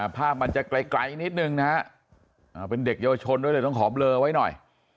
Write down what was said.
ภาพมันจะไกลนิดนึงนะฮะเป็นเด็กเยาวชนด้วยเลยต้องขอเบลอไว้หน่อย